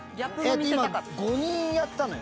今５人やったのよ。